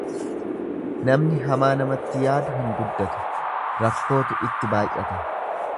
Namni hamaa namatti yaadu hin guddatu; rakkootu itti baay'ata.